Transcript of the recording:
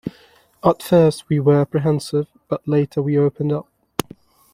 At first we were apprehensive, but later we opened up.